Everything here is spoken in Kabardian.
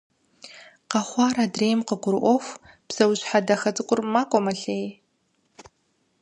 Къэхъуар адрейм къыгурыIуэху, псэущхьэ дахэ цIыкIур макIуэ-мэлъей.